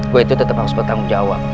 gua itu tetep harus bertanggung jawab